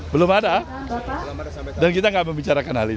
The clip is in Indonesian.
belum ada dan kita nggak membicarakan hal ini